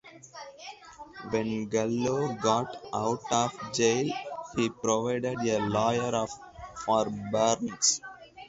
When Gallo got out of jail, he provided a lawyer for Barnes.